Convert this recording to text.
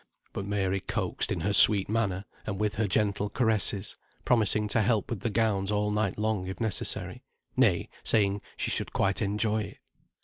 But Mary coaxed in her sweet manner, and with her gentle caresses, promising to help with the gowns all night long if necessary, nay, saying she should quite enjoy it.